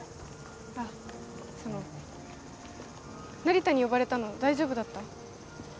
あその成田に呼ばれたの大丈夫だった？